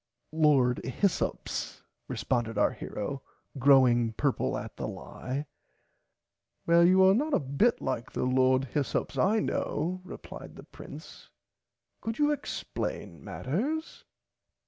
Lord Hyssops responded our hero growing purple at the lie. Well you are not a bit like the Lord [Pg 71] Hyssops I know replied the Prince could you explain matters.